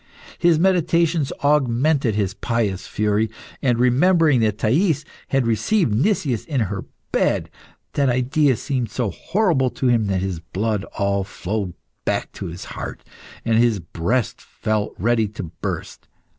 His meditations augmented his pious fury, and remembering that Thais had received Nicias in her bed, that idea seemed so horrible to him that his blood all flowed back to his heart, and his breast felt ready to burst.